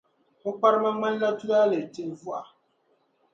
O kparima ŋmanila tulaale tihi vuɣa.